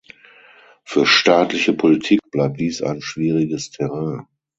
Für staatliche Politik bleibt dies ein schwieriges Terrain.